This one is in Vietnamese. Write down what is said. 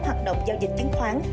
hoạt động giao dịch chứng khoán